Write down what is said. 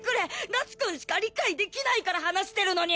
夏くんしか理解できないから話してるのに！